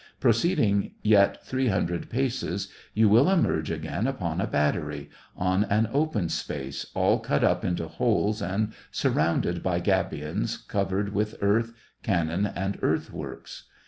Proceeding yet three hun dred paces, you will emerge again upon a battery, — on an open space, all cut up into holes and sur rounded by gabions, covered with earth, cannon, and earthworks.